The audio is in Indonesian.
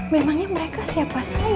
memangnya mereka siapa sayang